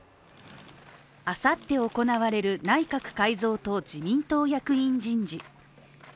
あさって、行われる内閣改造と自民党役員人事。